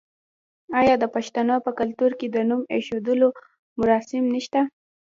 آیا د پښتنو په کلتور کې د نوم ایښودلو مراسم نشته؟